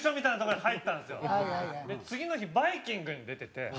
次の日『バイキング』に出てて。